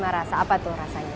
rasa apa tuh rasanya